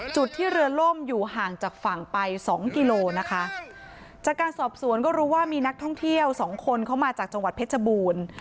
จุดที่เรือล่มอยู่ห่างจากฝั่งไปสองกิโลนะคะจากการสอบสวนก็รู้ว่ามีนักท่องเที่ยวสองคนเขามาจากจังหวัดเพชรบูรณ์